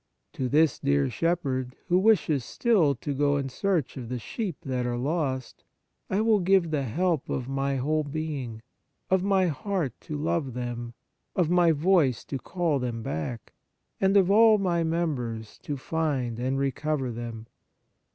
To this dear Shepherd, who wishes still to go in search of the sheep that are lost, I will give the help of my whole being — of my heart to love them, of my voice to call them back, and of all my members to find and recover them.